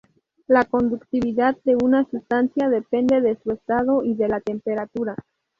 La conductividad de una sustancia depende de su estado y de la temperatura.